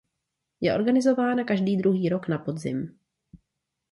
Je organizována každý druhý rok na podzim.